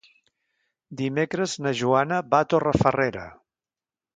Dimecres na Joana va a Torrefarrera.